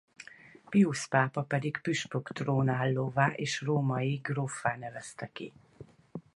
Piusz pápa pedig püspök-trónállóvá és római gróffá nevezte ki.